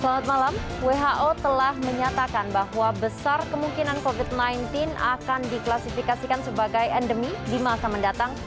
selamat malam who telah menyatakan bahwa besar kemungkinan covid sembilan belas akan diklasifikasikan sebagai endemi di masa mendatang